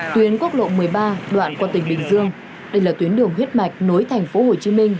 tuyến quốc lộ một mươi ba đoạn qua tỉnh bình dương đây là tuyến đường huyết mạch nối thành phố hồ chí minh